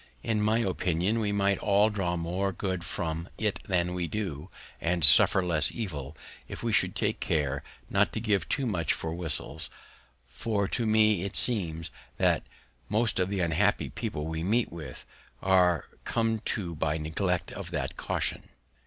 In my opinion, we might all draw more good from it than we do, and suffer less evil, if we would take care not to give too much for whistles. For to me it seems, that most of the unhappy people we meet with, are become so by neglect of that caution.